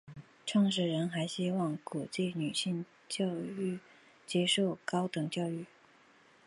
创始人还希望鼓励女性接受高等教育。